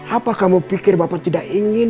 apa kamu pikir bapak tidak ingin